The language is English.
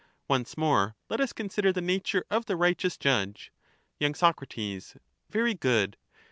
Once more let us consider the nature of the righteous judge. y. Sac. Very good.